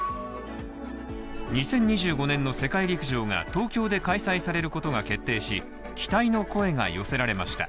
２０２５年の世界陸上が東京で開催されることが決定し、期待の声が寄せられました。